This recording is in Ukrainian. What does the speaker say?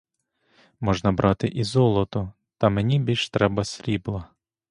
Можна брати і золото, та мені більш треба срібла.